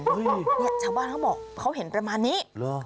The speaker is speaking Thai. เนี่ยชาวบ้านเขาบอกเขาเห็นประมาณนี้เหรอ